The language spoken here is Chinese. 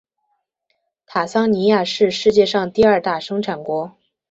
坦桑尼亚是世界上第二大生产国。